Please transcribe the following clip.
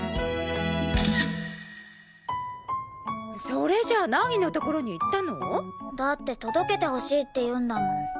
それじゃ凪のところに行ったの？だって届けてほしいって言うんだもん。